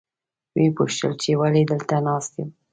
ویې پوښتل چې ولې دلته ناست یم.